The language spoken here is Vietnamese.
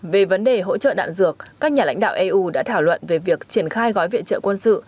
về vấn đề hỗ trợ đạn dược các nhà lãnh đạo eu đã thảo luận về việc triển khai gói viện trợ quân sự